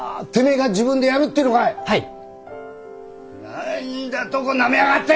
何だとなめやがって！